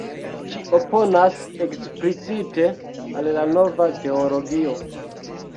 Ĝi oponas eksplicite al la Nova Teologio.